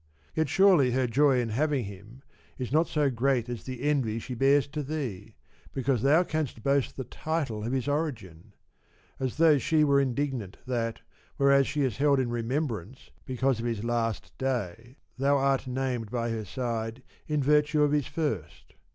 Yet surely her joy in having him is not so great as the envy she bears to 50 thee, because thou canst boast the title of his origin ; as though she were indignant that whereas she is held in remembrance because of his last day thou art named by her side in virtue of his first.